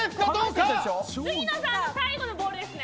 杉野さんの最後のボールですね。